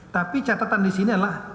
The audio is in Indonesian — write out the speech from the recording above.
tapi catatan disini adalah